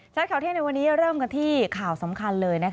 ข่าวเที่ยงในวันนี้เริ่มกันที่ข่าวสำคัญเลย